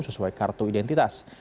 sesuai kartu identitas